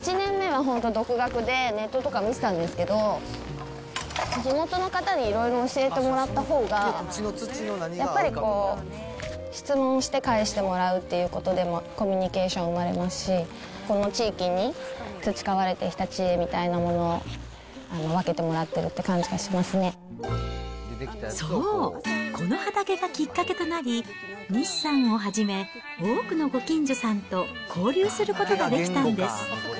引っ越してきて１年目は本当、独学でネットとか見てたんですけど、地元の方にいろいろ教えてもらったほうが、やっぱりこう、質問して返してもらうっていうことでもコミュニケーションが生まれますし、この地域に培われてきた知恵みたいなものを分けてもらってるってそう、この畑がきっかけとなり、西さんをはじめ、多くのご近所さんと交流することができたんです。